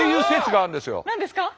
何ですか？